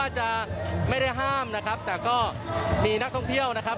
จะไม่ได้ห้ามนะครับแต่ก็มีนักท่องเที่ยวนะครับ